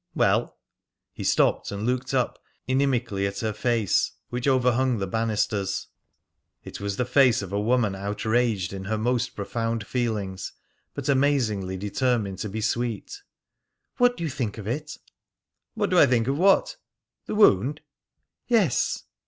"Well?" He stopped and looked up inimically at her face, which overhung the banisters. It was the face of a woman outraged in her most profound feelings, but amazingly determined to be sweet. "What do you think of it?" "What do I think of what? The wound?" "Yes."